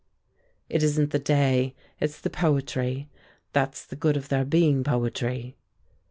"It isn't the day; it's the poetry. That's the good of there being poetry."